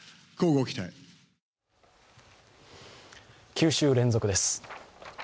９週連続です。